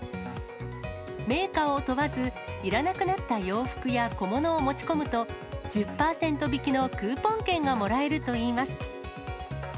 メーカーを問わず、いらなくなった洋服や小物を持ち込むと、１０％引きのクーポン券がもらえるといいます。